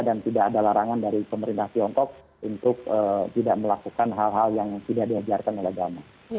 dan tidak ada larangan dari pemerintah tiongkok untuk tidak melakukan hal hal yang tidak diajarkan oleh agama